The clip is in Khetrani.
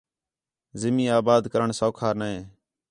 زمین آباد کرݨ سَوکھا نے